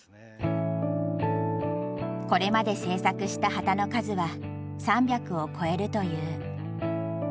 これまで製作した旗の数は３００を超えるという。